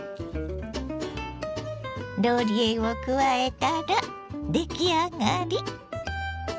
ローリエを加えたら出来上がり。